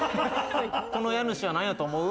この家主は何だと思う？